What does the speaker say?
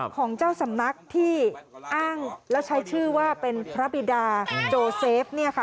ของเจ้าสำนักที่อ้างแล้วใช้ชื่อว่าเป็นพระบิดาโจเซฟเนี่ยค่ะ